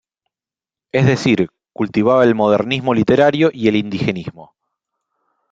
Es decir, cultivaba el modernismo literario y el indigenismo.